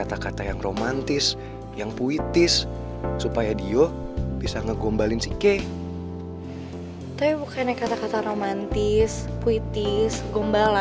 gak ada gunanya saya untuk hidup sekarang